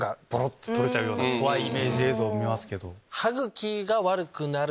怖いイメージ映像を見ますけど。